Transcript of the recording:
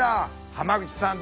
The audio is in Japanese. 濱口さん